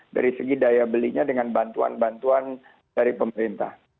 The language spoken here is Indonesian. dari segi daya belinya dengan bantuan bantuan dari pemerintah